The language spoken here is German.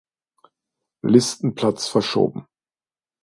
Listenplatz verschoben.